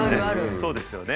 そうですよね。